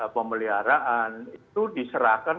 pemeliharaan itu diserahkan